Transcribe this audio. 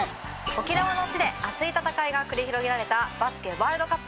沖縄の地で熱い戦いが繰り広げられたバスケワールドカップ。